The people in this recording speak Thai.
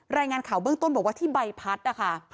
รายงานข่าวเบื้องต้นบอกว่าที่ใบพัดนะคะ